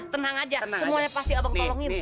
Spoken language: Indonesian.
tenang aja semuanya pasti abang tolongin